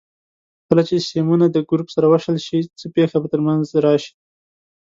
کله چې سیمونه د ګروپ سره وصل شي څه پېښه به تر منځ راشي؟